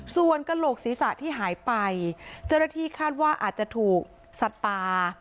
ส่วนกระโหลกศีรษะที่หายไปเจ้าหน้าที่คาดว่าอาจจะถูกสัตว์ป่า